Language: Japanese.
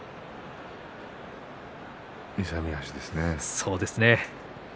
勇み足ですね。